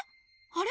あれ？